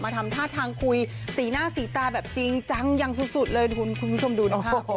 ทำท่าทางคุยสีหน้าสีตาแบบจริงจังอย่างสุดเลยคุณผู้ชมดูนะคะ